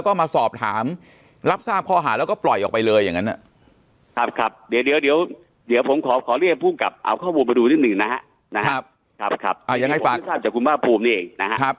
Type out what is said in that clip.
ครับครับครับอ่ายังไงฝากจากคุณบ้าภูมินี่เองนะครับครับ